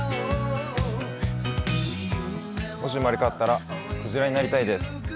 もし生まれ変わったらクジラになりたいです。